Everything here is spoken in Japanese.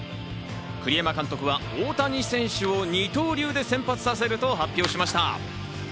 栗山監督は大谷選手を二刀流で先発させると発表しました。